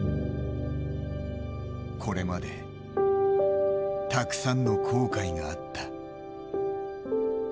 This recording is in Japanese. これまでたくさんの後悔があった。